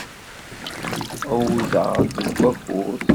Uwḍeɣ-d deg wakud.